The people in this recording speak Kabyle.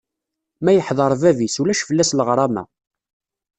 Ma yeḥdeṛ bab-is, ulac fell-as leɣrama.